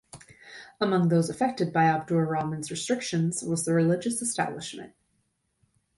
Among those affected by Abdur Rahman's restrictions was the religious establishment.